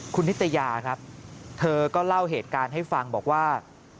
คุณนิตยาครับเธอก็เล่าเหตุการณ์ให้ฟังบอกว่า